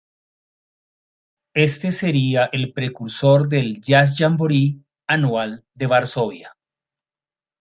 Este sería el precursor del "Jazz Jamboree" anual de Varsovia.